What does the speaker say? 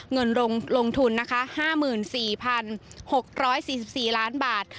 เงินลงทุนนะคะ๕๔๖๔๔ล้านบาท